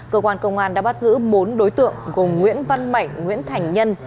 cơ quan công an đã bắt giữ bốn đối tượng gồm nguyễn văn mạnh nguyễn thành nhân